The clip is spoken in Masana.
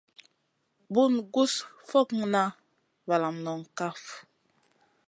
Bun gus fokŋa valam noŋ kaf.